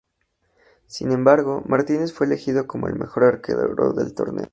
Sin embargo, Martínez fue elegido como el mejor arquero del torneo.